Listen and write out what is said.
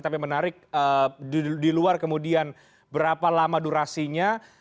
tapi menarik di luar kemudian berapa lama durasinya